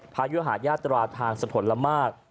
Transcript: ยุหายาตราทางสะทนละมาก